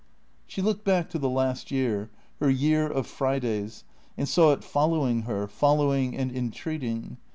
She looked back to the last year, her year of Fridays, and saw it following her, following and entreating.